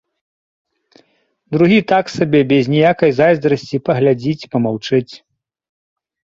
Другі так сабе без ніякай зайздрасці паглядзіць, памаўчыць.